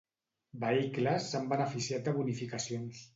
Vehicles s'han beneficiat de bonificacions.